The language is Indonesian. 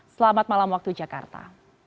selamat malam waktu jakarta